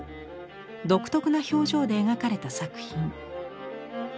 独特な表情で描かれた作品。